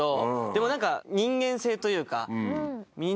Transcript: でも何か人間性というか。